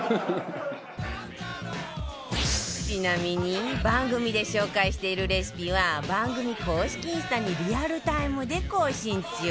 ちなみに番組で紹介しているレシピは番組公式インスタにリアルタイムで更新中